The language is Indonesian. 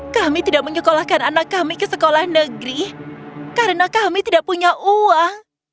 kami tidak menyekolahkan anak kami ke sekolah negeri karena kami tidak punya uang